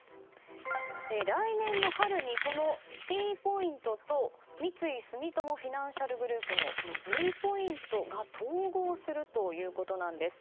来年の春に、このＴポイントと三井住友フィナンシャルグループのＶポイントが統合するということなんです。